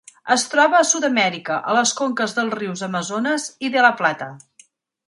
Es troba a Sud-amèrica, a les conques dels rius Amazones i De La Plata.